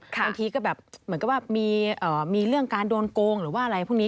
บางทีก็แบบเหมือนกับว่ามีเรื่องการโดนโกงหรือว่าอะไรพวกนี้